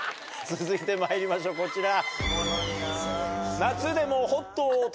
続いてまいりましょうこちら。